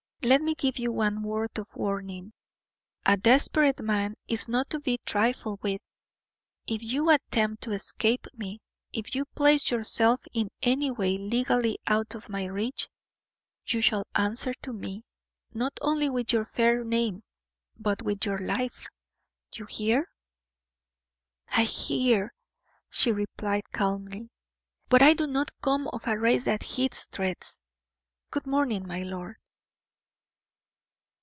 Let me give you one word of warning. A desperate man is not to be trifled with; if you attempt to escape me, if you place yourself in any way legally out of my reach, you shall answer to me, not only with your fair name, but with your life! You hear?" "I hear," she replied, calmly, "but I do not come of a race that heeds threats. Good morning, my lord."